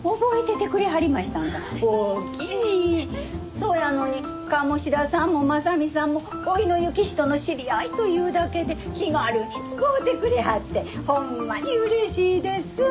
そやのに鴨志田さんも真実さんも甥の行人の知り合いというだけで気軽に使うてくれはってほんまに嬉しいですわ。